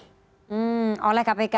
hmm oleh kpk